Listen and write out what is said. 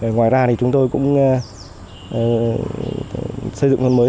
ngoài ra thì chúng tôi cũng xây dựng nông thôn mới